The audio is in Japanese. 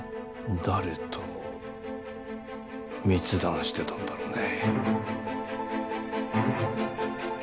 誰と密談してたんだろうね。